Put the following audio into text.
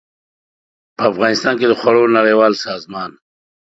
په افغانستان کې د خوړو نړیوال سازمان